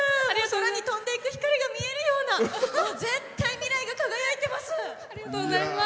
空に飛んでいく光が見えるような絶対、未来が輝いてます！